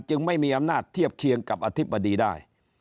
ไม่มีอำนาจเทียบเคียงกับอธิบดีได้